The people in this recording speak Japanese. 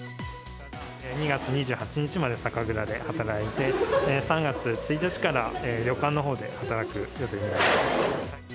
２月２８日まで酒蔵で働いて、３月１日から旅館のほうで働く予定になります。